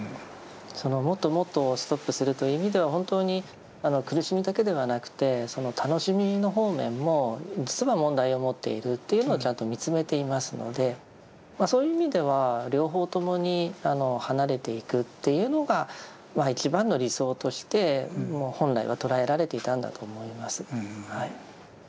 そのもっともっとをストップするという意味では本当に苦しみだけではなくて楽しみの方面も実は問題を持っているというのをちゃんと見つめていますのでそういう意味では両方ともに離れていくというのが一番の理想として本来は捉えられていたんだと思います。